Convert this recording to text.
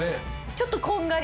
ちょっとこんがり。